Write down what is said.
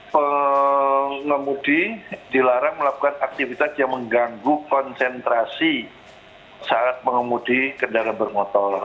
pengemudi dilarang melakukan aktivitas yang mengganggu konsentrasi saat pengemudi kendaraan bermotor